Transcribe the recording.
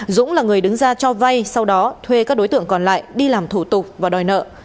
dũng là người đứng ra cho vay sau đó thuê các đối tượng còn lại đi làm thủ tục và đòi nợ